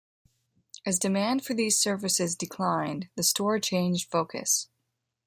As demand for these services declined, the store changed focus.